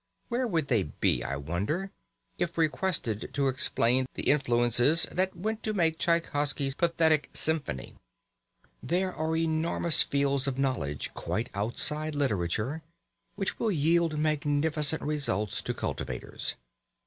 Where would they be, I wonder, if requested to explain the influences that went to make Tschaikowsky's "Pathetic Symphony"? There are enormous fields of knowledge quite outside literature which will yield magnificent results to cultivators.